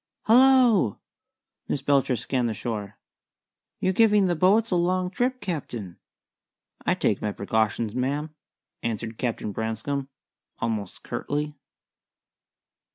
"Hallo!" Miss Belcher scanned the shore. "You're giving the boats a long trip, Captain." "I take my precautions, ma'am," answered Captain Branscome, almost curtly.